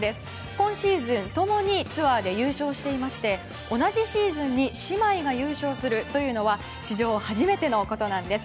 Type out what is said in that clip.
今シーズン共にツアーで優勝していまして同じシーズンに姉妹が優勝するというのは史上初めてのことなんです。